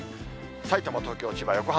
さいたま、東京、千葉、横浜。